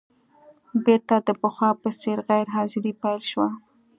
بېرته د پخوا په څېر غیر حاضري پیل شوه.